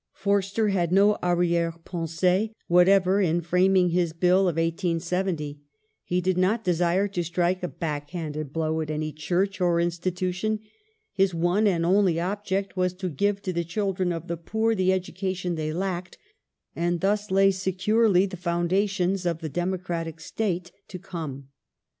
Foi ster had no arriere pensee whatever in framing his Bill of 1870 ; he did not desire to strike a back handed blow at any Church or institution ; his one and only object was to give to the children of the poor the education they lacked, and thus lay securely the foundations of the Democratic State to come.